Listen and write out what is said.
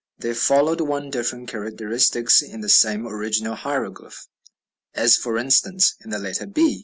They followed out different characteristics in the same original hieroglyph, as, for instance, in the letter b.